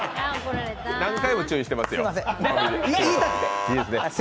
何回も注意してますよ。